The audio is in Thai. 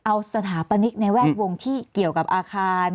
เอาสถาปนิกในแวดวงที่เกี่ยวกับอาคาร